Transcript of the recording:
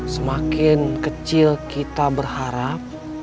semakin kecil kita berharap